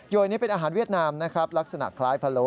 ยนี้เป็นอาหารเวียดนามนะครับลักษณะคล้ายพะโล